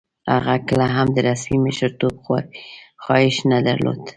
هغه کله هم د رسمي مشرتوب خواهیش نه درلود.